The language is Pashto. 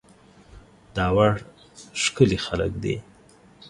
داوړ ښکلي خلک دي